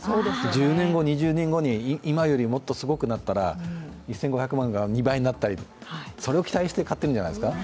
１０年後、２０年後に、今よりもっとすごくなったら、１５００万が２倍になったり、それを期待して買っているんじゃないですか。